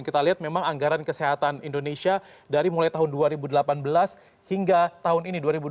kita lihat memang anggaran kesehatan indonesia dari mulai tahun dua ribu delapan belas hingga tahun ini dua ribu dua puluh